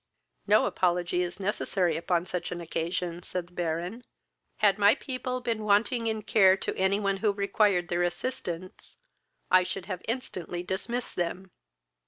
"No apology is necessary upon such an occasion, (said the Baron.) Had my people been wanting in care to any one who required their assistance, I should have instantly dismissed them.